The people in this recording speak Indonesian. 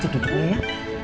duduk duduk dulu ya